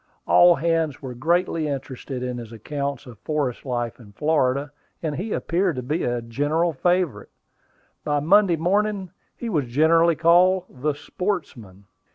All hands were greatly interested in his accounts of forest life in Florida, and he appeared to be a general favorite. By Monday morning, he was generally called the "sportsman."